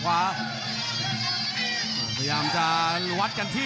แสนแทรพไม่หนีแล้วครับพยายามจะเล่นวงในกดคอของคนนองเดชน์ลงมา